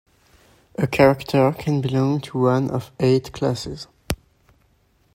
A character can belong to one of eight classes.